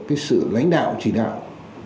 cái sự lãnh đạo chỉ đạo